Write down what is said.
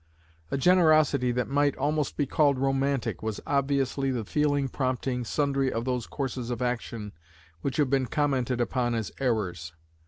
A generosity that might almost be called romantic was obviously the feeling prompting sundry of those courses of action which have been commented upon as errors.